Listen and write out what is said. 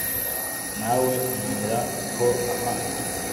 ntawe unywera ho amazi